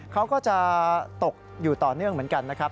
เขาก็จะตกอยู่ต่อเนื่องเหมือนกันนะครับ